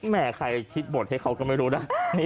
แม่ใครคิดบทให้เขาก็ไม่รู้นะ